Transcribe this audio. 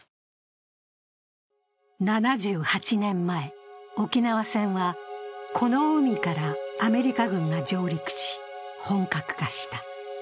７８年前、沖縄戦はこの海からアメリカ軍が上陸し、本格化した。